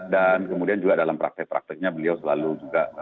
dan kemudian juga dalam praktek prakteknya beliau selalu juga